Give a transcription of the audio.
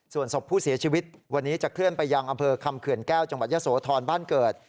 ส่วนศพผู้เสียชีวิตวันนี้จะเคลื่อนไปยังอำเภอคำเขื่อนแก้วจังหวัดยะโสธรบ้านเกิด